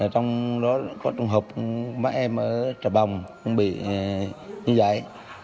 trong đó có trường hợp mấy em ở trà bồng cũng bị như vậy